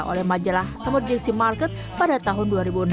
oleh majalah emergency market pada tahun dua ribu enam belas